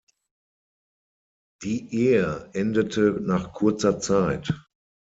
Die Ehe endete nach kurzer Zeit.